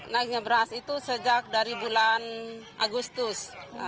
naiknya beras itu sejak dari bulan agustus